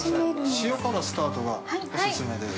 塩からスタートがお勧めです。